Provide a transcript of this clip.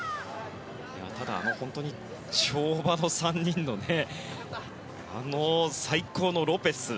ただ、本当に跳馬の３人のあの最高のロペス。